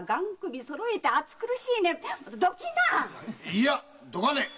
いやどかねえ！